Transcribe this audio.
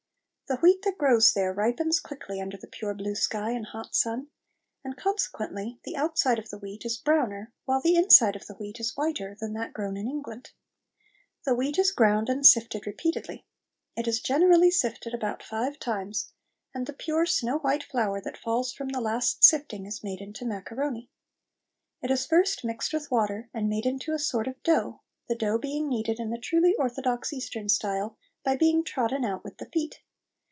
The wheat that grows there ripens quickly under the pure blue sky and hot sun, and consequently the outside of the wheat is browner while the inside of the wheat is whiter than that grown in England. The wheat is ground and sifted repeatedly. It is generally sifted about five times, and the pure snow white flour that falls from the last sifting is made into macaroni. It is first mixed with water and made into a sort of dough, the dough being kneaded in the truly orthodox Eastern style by being trodden out with the feet.